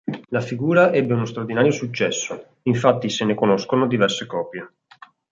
La figura ebbe uno straordinario successo, infatti se ne conoscono diverse copie.